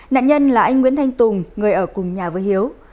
nạn nhân là anh nguyễn thanh tùng người ở cùng nhà với hiếu